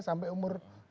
sampai umur dua puluh satu